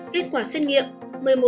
kết quả xét nghiệm